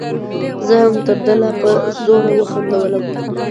زه هم تر ده لا په زوره وخندلم.